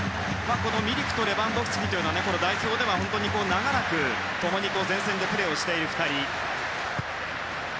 このミリクとレバンドフスキというのは代表では、本当に長らく共に前線でプレーをしている２人。